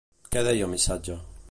Què deia el missatge?